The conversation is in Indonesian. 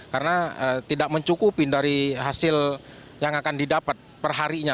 karena tidak mencukupi dari hasil yang akan didapat perharinya